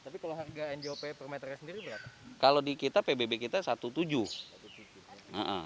tapi kalau harga ngop per meternya sendiri berapa